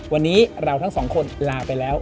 วันนี้เราทั้งสองคนลาไปแล้ว